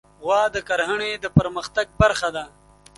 غوا د کرهڼې د پرمختګ برخه ده.